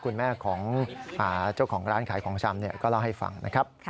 คุณแม่ของเจ้าของร้านขายของชำก็เล่าให้ฟังนะครับ